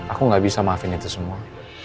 aku gak bisa maafin itu semua